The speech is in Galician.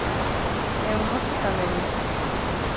E o mozo tamén.